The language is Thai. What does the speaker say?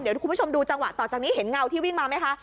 เดี๋ยวคุณผู้ชมดูจังหวะต่อจากนี้เห็นเงาที่วิ่งมาไหมคะ